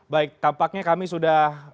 baik tampaknya kami sudah